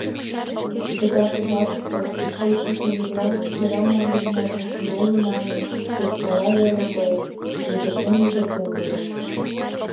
Пытартыш жапыште почкышо йӱрлан кӧра мландыжат машина йымалне тӧшакла веле коеш, лыдырген-лыдырген вола.